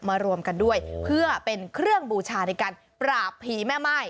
รวมกันด้วยเพื่อเป็นเครื่องบูชาในการปราบผีแม่ม่าย